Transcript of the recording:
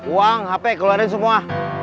uang hp keluarin semua